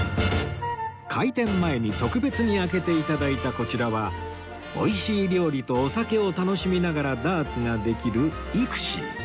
開店前に特別に開けて頂いたこちらは美味しい料理とお酒を楽しみながらダーツができる ＩＸＩ